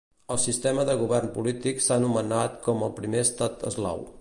El sistema de govern polític s'ha nomenat com el primer estat eslau.